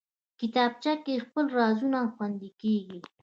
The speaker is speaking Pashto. کتابچه کې خپل رازونه خوندي کېږي